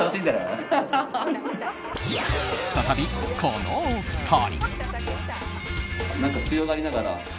再び、このお二人。